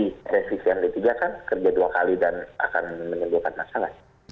resisi yang ketiga kan kerja dua kali dan akan menyelamatkan masalah